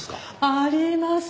あります！